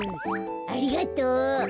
ありがとう。